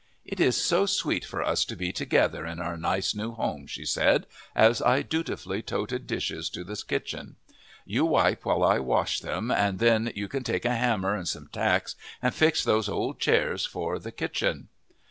"It is so sweet for us to be together in our nice new home," she said, as I dutifully toted dishes to the kitchen. "You wipe while I wash them, and then you can take a hammer and some tacks and fix these old chairs for the kitchen.